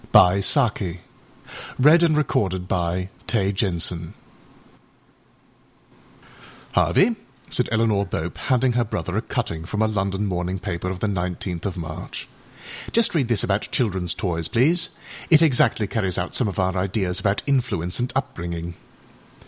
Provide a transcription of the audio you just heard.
â ROTHAY REYNOLDS, September 1918. THE TOYS OF PEACE âHarvey,â said Eleanor Bope, handing her brother a cutting from a London morning paper of the 19th of March, âjust read this about childrenâs toys, please; it exactly carries out some of our ideas about influence and upbringing.